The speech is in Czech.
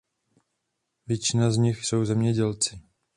Většina z nich jsou zemědělci.